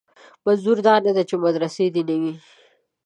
منظور دا نه دی چې مدرسې دې نه وي.